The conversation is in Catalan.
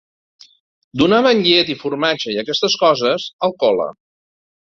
Donaven llet i formatge i aquestes coses, al col·le.